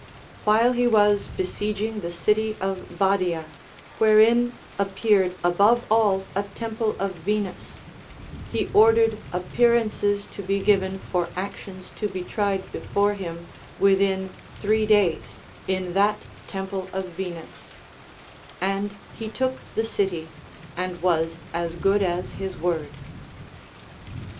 ΛVhile he was besieging the city of Badia, Λvhcrein appeared above all a temple of Venus, he ordered appearances to be given for actions to be tried before him within three days in that temple of A'enus ; and he took the city, and Avas as good as his word.